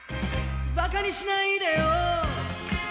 「馬鹿にしないでよ